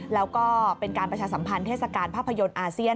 แล้วก็เป็นการประชาสัมพันธ์เทศกาลภาพยนตร์อาเซียน